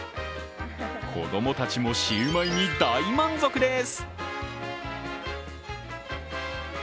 子供たちもシウマイに大満足です。